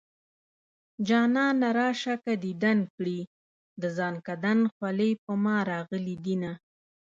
جانانه راشه که ديدن کړي د زنکدن خولې په ما راغلي دينه